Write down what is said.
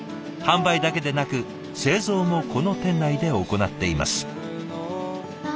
販売だけでなく製造もこの店内で行っています。